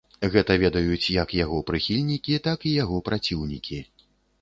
Гэта ведаюць як яго прыхільнікі, так і яго праціўнікі.